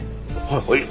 はい！